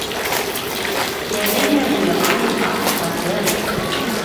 Сәҙе генә буйы, ай, аҡ татыр